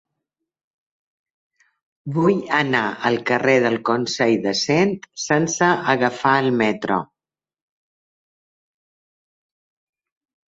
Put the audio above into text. Vull anar al carrer del Consell de Cent sense agafar el metro.